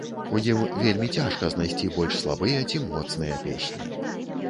У ім вельмі цяжка знайсці больш слабыя, ці моцныя песні.